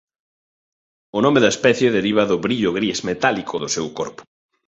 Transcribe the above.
O nome da especie deriva do brillo gris metálico do seu corpo.